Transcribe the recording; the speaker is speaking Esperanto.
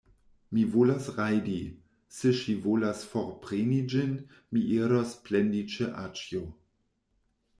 Mi volas rajdi; se ŝi volas forpreni ĝin, mi iros plendi ĉe aĉjo.